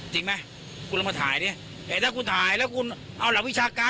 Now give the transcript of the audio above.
จริงไหมคุณลองมาถ่ายดิแต่ถ้าคุณถ่ายแล้วคุณเอาหลักวิชาการ